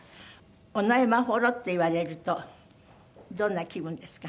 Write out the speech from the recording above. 尾上眞秀って言われるとどんな気分ですか？